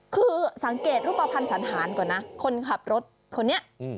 คือสังเกตรูปภัณฑ์สันธารก่อนนะคนขับรถคนนี้